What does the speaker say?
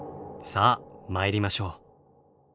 さあ参りましょう。